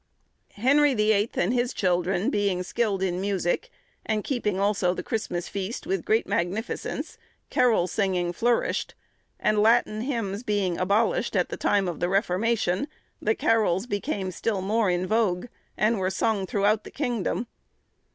Henry the Eighth, and his children, being skilled in music, and keeping also the Christmas feast with great magnificence, carol singing flourished; and Latin hymns being abolished at the time of the Reformation, the carols became still more in vogue, and were sung throughout the kingdom.